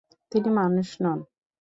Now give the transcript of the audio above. তিনি মানুষ নন।